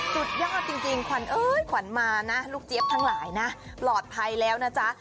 สุดยอดจริงขวัญเอ้ยขวัญมานะลูกเจี๊ยบทั้งหลายนะปลอดภัยแล้วนะจ๊ะ